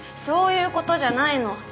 そういう事じゃないの。